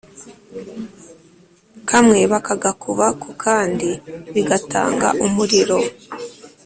kamwe bakagakuba ku kandi bigatanga umuriro